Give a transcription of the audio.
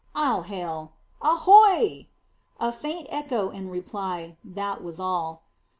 I'll hail. Ahoy?" A faint echo in reply. That was all.